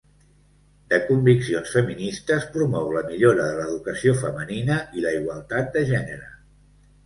De conviccions feministes, promou la millora de l'educació femenina i la igualtat de gènere.